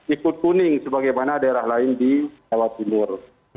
ikut kuning sebagaimana daerah lain di jawa timur